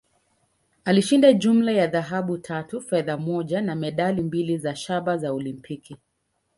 Alishinda jumla ya dhahabu tatu, fedha moja, na medali mbili za shaba za Olimpiki.